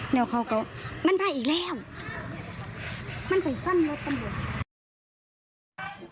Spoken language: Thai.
เดี๋ยวเขาก็มันไปอีกแล้วมันใส่ฟันรถตำรวจ